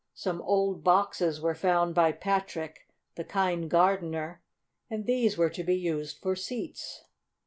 Some old boxes were found by Patrick, the kind gardener, and these were to be used for seats.